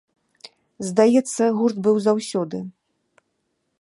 Здаецца, гурт быў заўсёды.